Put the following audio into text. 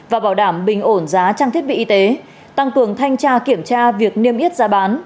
và bảo đảm bình ổn giá trang thiết bị y tế tăng cường thanh tra kiểm tra việc niêm yết giá bán